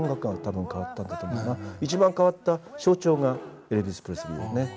一番変わった象徴がエルヴィス・プレスリーだね。